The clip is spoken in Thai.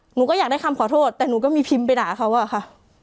หนูก็อยากได้คำขอโทษแต่หนูก็มีพิมพ์ไปด่าเขาอะค่ะ